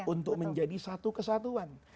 untuk menjadi satu kesatuan